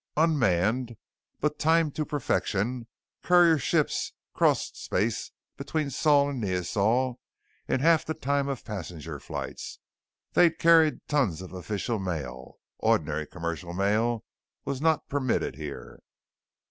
Unmanned, but timed to perfection, courier ships crossed space between Sol and Neosol in half the time of passenger flights. They carried tons of official mail; ordinary commercial mail was not permitted here.